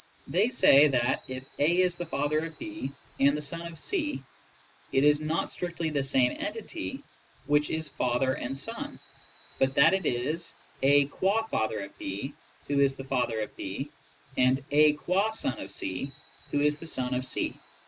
They say that if A is the father of B and 160 TEE JOURNAL OF PHILOSOPHY the son of C, it is not strictly the same entity which is father and son, but that it is ''A gim father of B" who is the father of B, and ''A qtid son of C" who is the son of C.